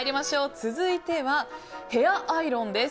続いてはヘアアイロンです。